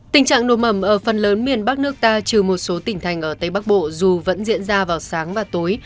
tình trạng nồm ẩm ở phần lớn miền bắc nước ta trừ một số tỉnh thành ở tây bắc bộ dù vẫn diễn ra vào sáng và tối